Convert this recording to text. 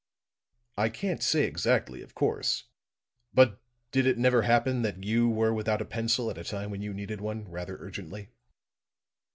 "I can't say exactly, of course. But did it never happen that you were without a pencil at a time when you needed one rather urgently?"